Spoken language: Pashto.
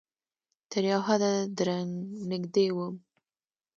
تر یو حده درنږدې وم